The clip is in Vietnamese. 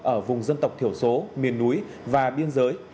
ở vùng dân tộc thiểu số miền núi và biên giới